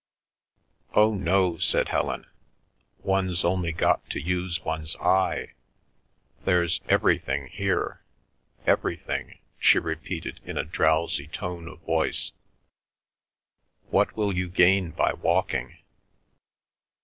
"Oh, no," said Helen, "one's only got to use one's eye. There's everything here—everything," she repeated in a drowsy tone of voice. "What will you gain by walking?"